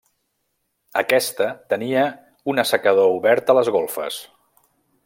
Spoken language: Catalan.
Aquesta tenia un assecador obert a les golfes.